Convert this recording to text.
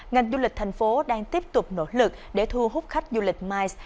ngành du lịch thành phố đang tiếp tục nỗ lực để thu hút khách du lịch mice